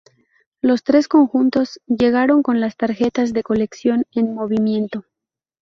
Los tres conjuntos llegaron con las tarjetas de colección en movimiento.